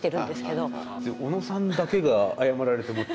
小野さんだけが謝られてもっていう。